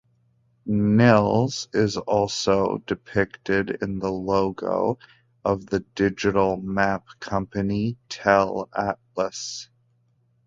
Nils is also depicted in the logo of the digital map company Tele Atlas.